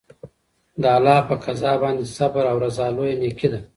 د الله په قضا باندې صبر او رضا لویه نېکي ده.